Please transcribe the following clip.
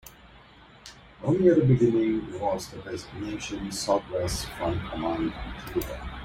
Only at the beginning was the designation "Southwest Front Command" clear.